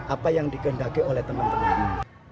apa yang digendaki oleh teman teman